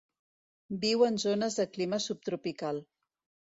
Viu en zones de clima subtropical.